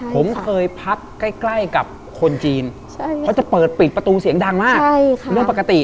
ผมเคยพักใกล้ใกล้กับคนจีนเขาจะเปิดปิดประตูเสียงดังมากเรื่องปกติ